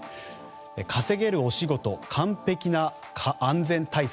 稼げるお仕事、完璧な安全対策。